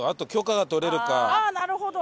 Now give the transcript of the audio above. ああなるほど！